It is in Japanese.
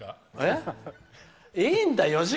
いいんだよ！